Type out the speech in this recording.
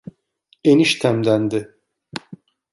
Eniştemdendi.